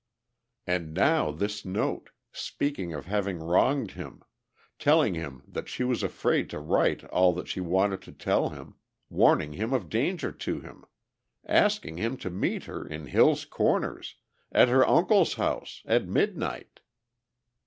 And now this note, speaking of having wronged him, telling him that she was afraid to write all that she wanted to tell him, warning him of danger to him, asking him to meet her in Hill's Corners ... at her uncle's house ... at midnight!